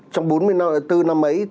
trong bốn mươi bốn năm ấy